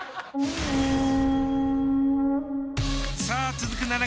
さあ続く